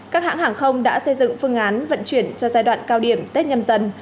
các hãng hàng không đã xây dựng phương án vận chuyển cho giai đoạn cao điểm tết nhâm dần